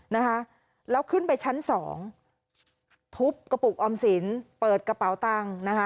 นะคะแล้วขึ้นไปชั้นสองทุบกระปุกออมสินเปิดกระเป๋าตังค์นะคะ